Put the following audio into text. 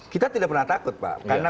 kita tidak pernah takut pak